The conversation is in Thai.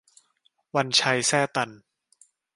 วันชัย แซ่ตัน